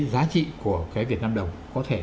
giá trị của cái việt nam đồng có thể